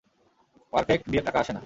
Perfect দিয়ে টাকা আসে না।